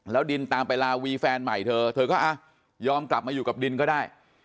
แล้วดินตามไปลาวีแฟนใหม่เธอเธอก็ยอมกลับมาอยู่กับดินก็ได้